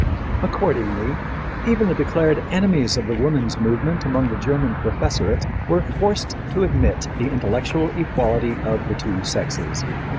Accordingly, even the declared enemies of the woman's movement among the German professorate were forced to admit the intellectual equality of the two sexes.